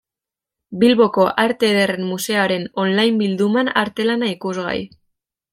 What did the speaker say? Bilboko Arte Ederren Museoaren online bilduman artelana ikusgai